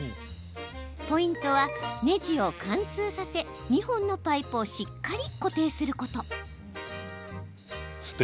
ポイントは、ねじを貫通させ２本のパイプをしっかり固定すること。